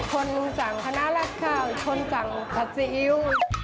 คนมึงจังขนาดราดข้าวคนจังผัดซีอิ๊ว